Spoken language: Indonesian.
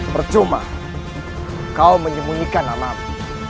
percuma kau menyemunyikan namamu